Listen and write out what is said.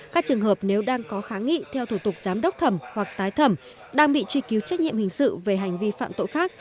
các trường hợp nếu đang có kháng nghị theo thủ tục giám đốc thẩm hoặc tái thẩm đang bị truy cứu trách nhiệm hình sự về hành vi phạm tội khác